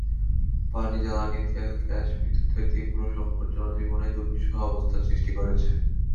পানি, জ্বালানি তেল, গ্যাস, বিদ্যুতের তীব্র সংকট জনজীবনে দুর্বিষহ অবস্থার সৃষ্টি করেছে।